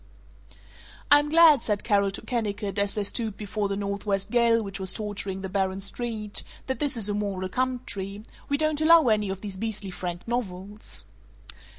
"I'm glad," said Carol to Kennicott as they stooped before the northwest gale which was torturing the barren street, "that this is a moral country. We don't allow any of these beastly frank novels."